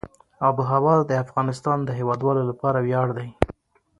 آب وهوا د افغانستان د هیوادوالو لپاره ویاړ دی.